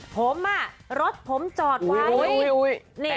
ผมอ่ะรถผมจอดว่า